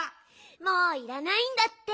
もういらないんだって。